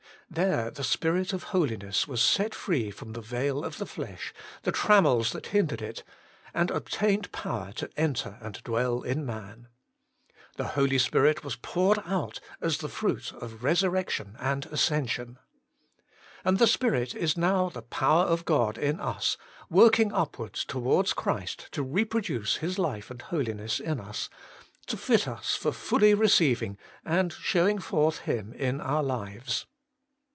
There the Spirit of Holiness was set free from the veil of the flesh, the trammels that hindered it, and obtained power to enter and dwell in man. The Holy Spirit was poured out as the fruit of Resur rection and Ascension. And the Spirit is now the Power of God in us, working upwards towards Christ, to reproduce His life and Holiness in us, to fit us for fully receiving and showing forth Him in our lives.